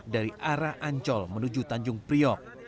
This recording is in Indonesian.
dari arah ancol menuju tanjung priok